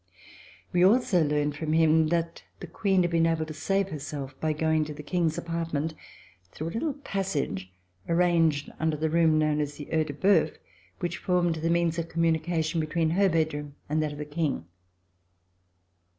We also learned from him that the Queen had been able to save herself by going to the King's apartment through a little passage, arranged under the room known as the (Eil de Bceuf, which formed the means of communication between her bedroom and that of the King.